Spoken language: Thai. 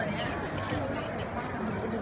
พี่แม่ที่เว้นได้รับความรู้สึกมากกว่า